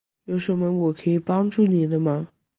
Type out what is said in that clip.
有什么我可以帮助你的吗？